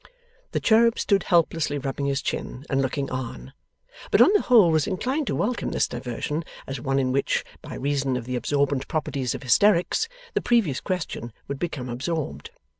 The cherub stood helplessly rubbing his chin and looking on, but on the whole was inclined to welcome this diversion as one in which, by reason of the absorbent properties of hysterics, the previous question would become absorbed.